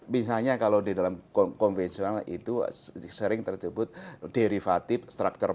misalnya kalau di dalam konvensional itu sering tersebut derivatif structure